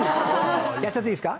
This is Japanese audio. やっちゃっていいですか？